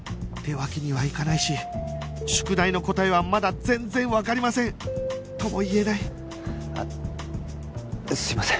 ってわけにはいかないし宿題の答えはまだ全然わかりませんとも言えない